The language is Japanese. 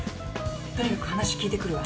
とにかく話聞いてくるわ。